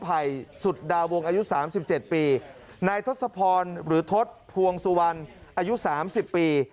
ไผ่สุดดาวงอายุ๓๗ปีนายทศพรหรือทศพวงสุวรรณอายุ๓๐ปี